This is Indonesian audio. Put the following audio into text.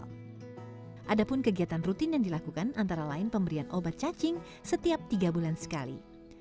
ada pun kegiatan rutin yang dilakukan antara lain pemberian obat cacing setiap tiga bulan sekali